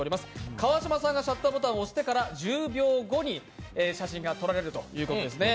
川島さんがシャッターボタンを押してから１０秒後に写真が撮られるということですね。